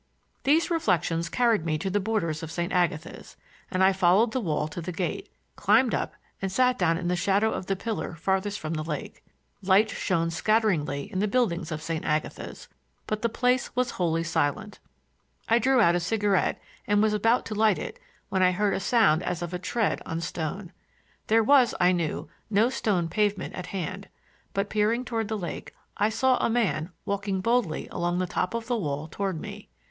These reflections carried me to the borders of St. Agatha's, and I followed the wall to the gate, climbed up, and sat down in the shadow of the pillar farthest from the lake. Lights shone scatteringly in the buildings of St. Agatha's, but the place was wholly silent. I drew out a cigarette and was about to light it when I heard a sound as of a tread on stone. There was, I knew, no stone pavement at hand, but peering toward the lake I saw a man walking boldly along the top of the wall toward me.